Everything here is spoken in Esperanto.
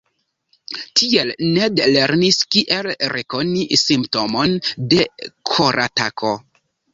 Tiel Ned lernis kiel rekoni simptomon de koratako.